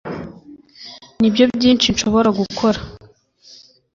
nibyo byinshi nshobora gukora